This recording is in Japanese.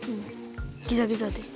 ギザギザで？